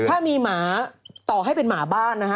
ถ้ามีหมาต่อให้เป็นหมาบ้านนะฮะ